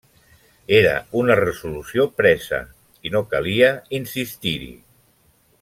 Era una resolució presa, i no calia insistir-hi.